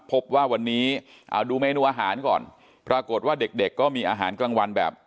พบว่าวันนี้ดูเมนูอาหารก่อน